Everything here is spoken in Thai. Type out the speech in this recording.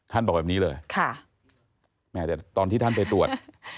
บอกแบบนี้เลยแหมแต่ตอนที่ท่านไปตรวจ